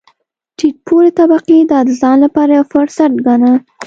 ټیټ پوړې طبقې دا د ځان لپاره یو فرصت ګاڼه.